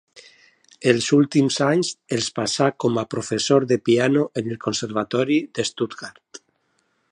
Els últims anys els passà com a professor de piano en el Conservatori de Stuttgart.